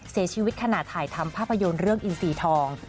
เสียชีวิตขณะถ่ายทำภาพยนตร์เรื่องอินทรีย์ทอง